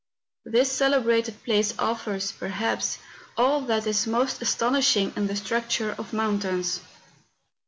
This celebrated place offers, perhaps, all that is most astonishing in the structure of mountains.